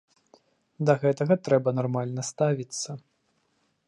Да гэтага трэба нармальна ставіцца.